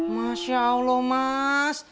masya allah mas